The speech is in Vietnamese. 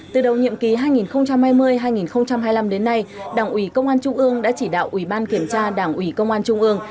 từ đầu nhiệm ký hai nghìn hai mươi hai nghìn hai mươi năm đến nay đảng ủy công an trung ương đã chỉ đạo ủy ban kiểm tra đảng ủy công an trung ương